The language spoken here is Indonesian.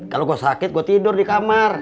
kalau gua sakit gua tidur di kamar